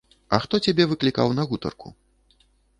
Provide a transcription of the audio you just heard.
А хто цябе выклікаў на гутарку?